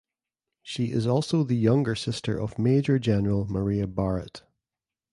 She is also the younger sister of Major General Maria Barrett.